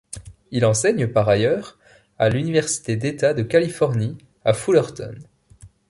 Il enseigne par ailleurs à l'Université d'État de Californie à Fullerton.